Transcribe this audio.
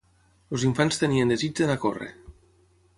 Els infants tenien desig d'anar a corre.